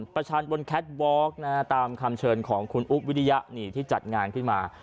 ชันบนแคทวอล์กตามคำเชิญของคุณอุ๊บวิริยะนี่ที่จัดงานขึ้นมา